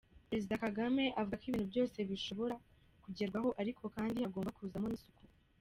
Perezida Kagame avuga ko ibintu byose bishobora kugerwaho ariko kandi hagomba kuzamo n’isuku.